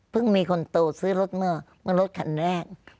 เพิ่งมีคนโตซื้อรถเมื่อมันรถขาดแรก